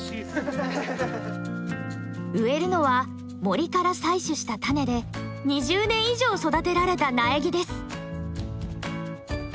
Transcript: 植えるのは森から採取した種で２０年以上育てられた苗木です。